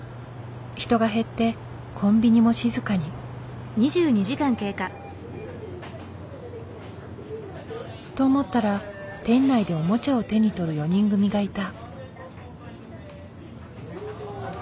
人が減ってコンビニも静かに。と思ったら店内でおもちゃを手に取る４人組がいた。